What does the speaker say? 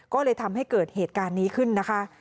ก็เลยทำให้เกิดเหตุการณ์นี้ขึ้นนะคะ